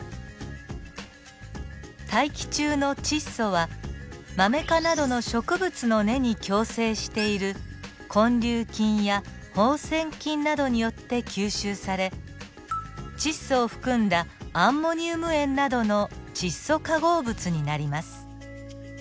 大気中の窒素はマメ科などの植物の根に共生している根粒菌や放線菌などによって吸収され窒素を含んだアンモニウム塩などの窒素化合物になります。